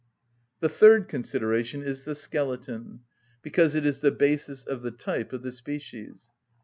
The third consideration is the skeleton, because it is the basis of the type of the species.